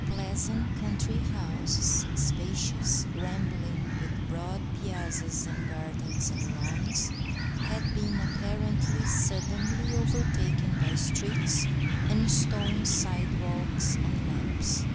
Pleasant country houses, spacious, rambling, with broad piazzas and gardens and lawns, had been apparently suddenly overtaken by streets and stone sidewalks and lamps.